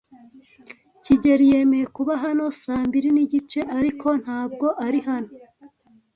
kigeli yemeye kuba hano saa mbiri nigice, ariko ntabwo ari hano.